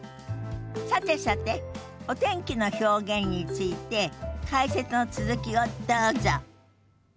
さてさてお天気の表現について解説の続きをどうぞ。